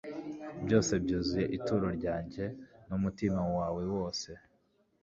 Byose byuzuye ituro ryanjye numutima wawe wose